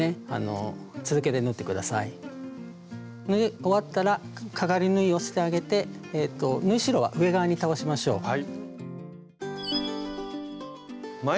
縫い終わったらかがり縫いをしてあげて縫い代は上側に倒しましょう。